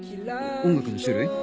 音楽の種類？